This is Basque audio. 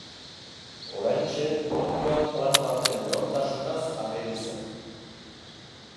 Oraintxe puntuan plano baten lehortasunaz ageri zen.